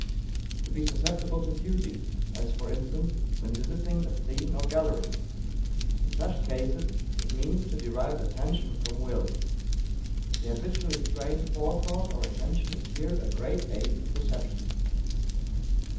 To be susceptible to beauty, as, for instance, when visiting a scene or gallery. In such cases it means to derive Attention from Will. The habitually trained Forethought or Attention is here a great aid to perception.